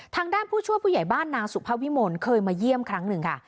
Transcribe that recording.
ทางด้านผู้ช่วยผู้ใหญ่บ้านนางสุภาวิมลเคยมาเยี่ยมครั้งหนึ่งค่ะ